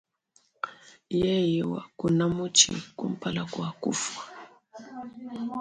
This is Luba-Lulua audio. Yeye wakuna mutshi kumpala kua kufua.